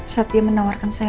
saat dia menawarkan saya